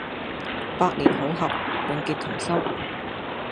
百年好合，永結同心